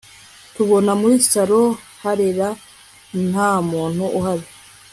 tubona muri salon harera ntamuntu uhari